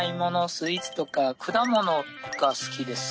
スイーツとか果物が好きですね。